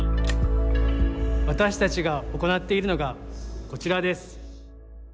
私たちが行っているのがこちらです。